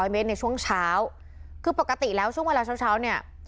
เมตรในช่วงเช้าคือปกติแล้วช่วงเวลาเช้าเนี่ย